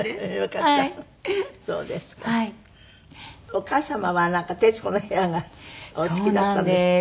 お母様はなんか『徹子の部屋』がお好きだったんですって？